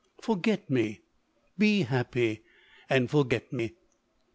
Forget me; — be happy, and forget me!